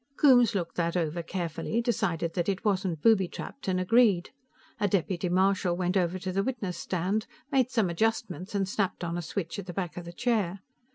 Coombes looked that over carefully, decided that it wasn't booby trapped and agreed. A deputy marshal went over to the witness stand, made some adjustments and snapped on a switch at the back of the chair.